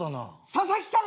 「佐々木さん！